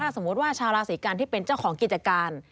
สมมุติว่าชาวราศีกันที่เป็นเจ้าของกิจการ